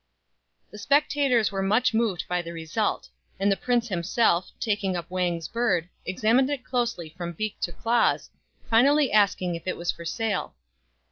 The spectators were much moved by the result ; and the prince himself, taking up Wang's bird, examined it closely from beak to claws, finally asking if it was for sale.